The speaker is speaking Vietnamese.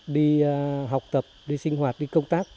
đi học tập đi sinh hoạt đi công tác